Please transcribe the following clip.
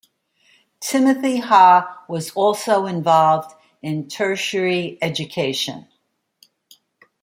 Timothy Ha was also involved in tertiary education.